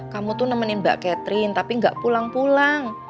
kamu tuh nemenin mbak catherine tapi nggak pulang pulang